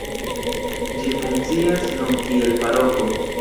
Ĝi funkcias nun kiel paroko.